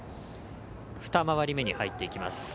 ２回り目に入っていきます。